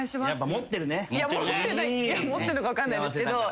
持ってるのか分かんないですけど。